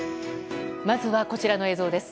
まずはこちらの映像です。